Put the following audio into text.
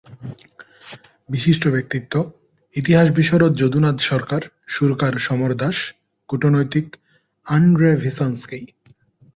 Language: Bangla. বিশিষ্ট ব্যক্তিত্ব—ইতিহাস বিশারদ যদুনাথ সরকার, সুরকার সমর দাস, কূটনীতিক আঁদ্রে ভিসনস্কি।